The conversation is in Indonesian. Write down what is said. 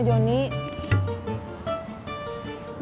jadi aku harus bekerja dengan temennya